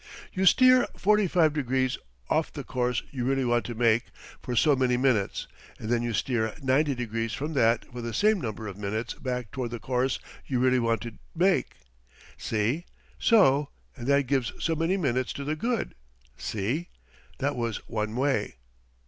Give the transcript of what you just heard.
You steer 45 degrees off the course you really want to make for so many minutes and then you steer 90 degrees from that for the same number of minutes back toward the course you really want to make see, so and that gives so many minutes to the good see. That was one way.